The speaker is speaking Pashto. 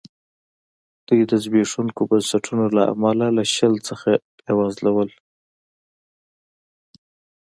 دوی د زبېښونکو بنسټونو له امله له شل څخه بېوزله وو.